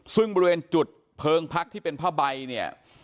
ซึ่งบริเวณจุดเพลิงพักที่เป็นผ้าใบเนี่ย